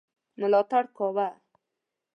ملاتړ کاوه.